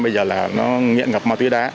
bây giờ là nó nghiện ngập ma túy đá